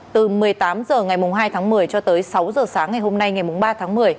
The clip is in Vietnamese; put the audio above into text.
từ một mươi tám h ngày hai tháng một mươi cho tới sáu h sáng ngày hôm nay ngày ba tháng một mươi